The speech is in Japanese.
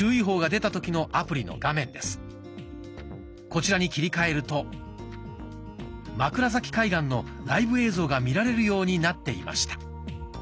こちらに切り替えると枕崎海岸のライブ映像が見られるようになっていました。